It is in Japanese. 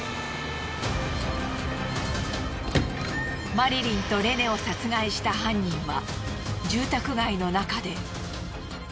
マリリンとレネを殺害した犯人は住宅街の中で。